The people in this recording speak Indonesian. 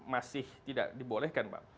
masih tidak dibolehkan pak